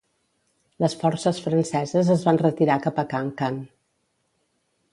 Les forces franceses es van retirar cap a Kankan.